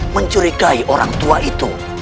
mencurigai orang tua itu